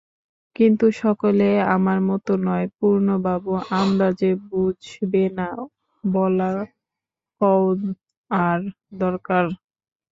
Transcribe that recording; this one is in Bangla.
কিন্তু সকলে আমার মতো নয় পূর্ণবাবু, আন্দাজে বুঝবে না, বলা-কওয়ার দরকার।